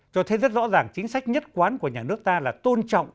cho thấy rất rõ ràng chính sách nhất quán của nhà nước ta là tôn trọng